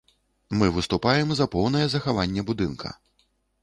Мы выступаем за поўнае захаванне будынка.